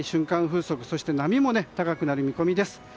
風速そして波も高くなる見込みです。